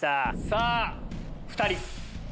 さぁ２人。